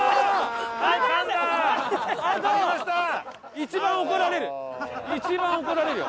一番怒られるよ。